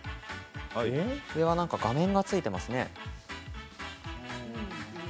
画面がついていますね。